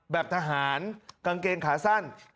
แบบทหารกางเกงขาสั้น